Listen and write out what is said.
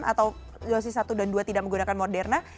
atau dosis satu dan dua tidak menggunakan moderna